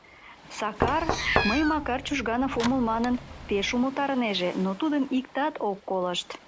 Сакар, мый Макар Чужганов омыл манын, пеш умылтарынеже, но тудым иктат ок колышт.